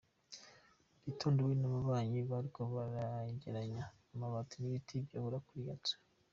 Mu gitondo we n'ababanyi bariko baregeranya amabati n'ibiti vyahora kuri iyo nzu.